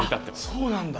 そうなんだ。